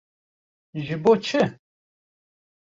Ji bo çi?